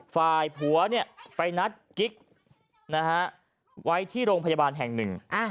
ฝ่ายผัวไปนัดกิ๊กไว้ที่โรงพยาบาลแห่งหนึ่ง